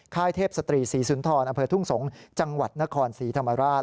ค่ายเทพศตรีศรีสุนทรอทุ่งสงศ์จนครศรีธรรมราช